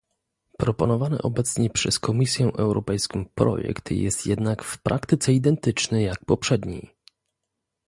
Proponowany obecnie przez Komisję Europejską projekt jest jednak w praktyce identyczny jak poprzedni